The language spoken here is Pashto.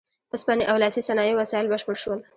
اوسپنې او لاسي صنایعو وسایل بشپړ شول.